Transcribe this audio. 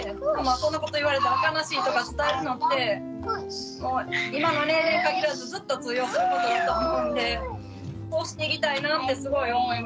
そんなこと言われたら悲しいとか伝えるのって今の年齢に限らずずっと通用することだと思うんでこうしていきたいなってすごい思いました。